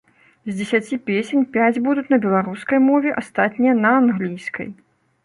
З дзесяці песень пяць будуць на беларускай мове, астатнія на англійскай.